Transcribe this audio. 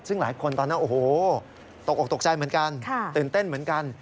ซึ่งหลายคนตอนนั้นโอ้โหตกออกตกใจเหมือนกันตื่นเต้นเหมือนกัน